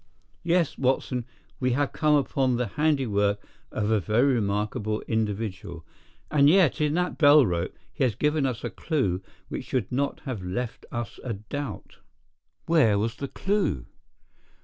Yes, Watson, we have come upon the handiwork of a very remarkable individual. And yet, in that bell rope, he has given us a clue which should not have left us a doubt." "Where was the clue?"